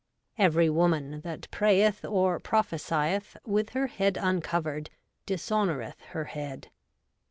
' Every woman that prayeth or prophesieth with her head uncovered dishonoureth her head.'